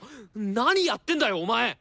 何やってんだよお前！